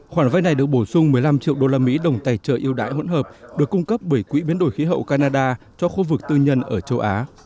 khoản vay này được bổ sung một mươi năm triệu usd đồng tài trợ yêu đại hỗn hợp được cung cấp bởi quỹ biến đổi khí hậu canada cho khu vực tư nhân ở châu á